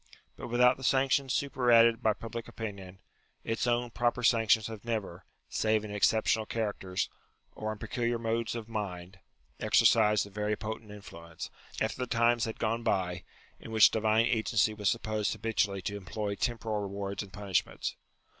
But without the sanctions superadded by public opinion, its own proper sanctions have never, save in exceptional cha racters, or in peculiar moods of mind, exercised a very potent influence, after the times had gone by, in which divine agency was supposed habitually to employ temporal rewards and punishments.